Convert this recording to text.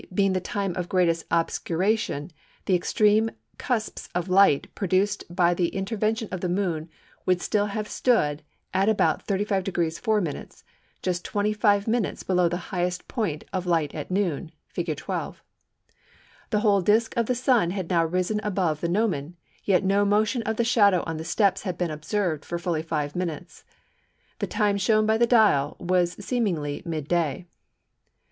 being the time of greatest obscuration, the extreme cusps of light produced by the intervention of the Moon would still have stood at about 35° 4′, just 23′ below the highest point of light at noon (Fig. 12). _The whole disc of the sun had now risen above the gnomon, yet no motion of the shadow on the steps had been observed for fully five minutes. The time shown by the dial was seemingly mid day.